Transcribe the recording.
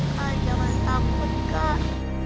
kak jangan takut kak